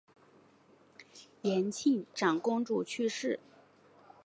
延庆长公主去世。